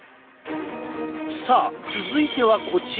さあ続いてはこちら！